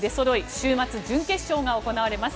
週末、準決勝が行われます。